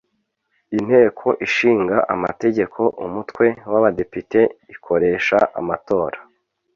Inteko Ishinga amategeko Umutwe w’Abadepite ikoresha amatora